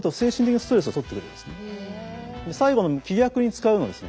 最後の気逆に使うのはですね